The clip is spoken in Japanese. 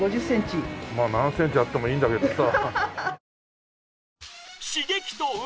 まあ何センチあってもいいんだけどさ。